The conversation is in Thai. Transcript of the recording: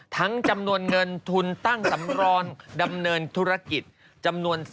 ทั้งจำนวนเงินทุนตั้งสำรรค์ดำเนินธุรกิจ